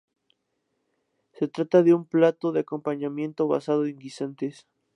Se trata de un plato de acompañamiento, basado en guisantes.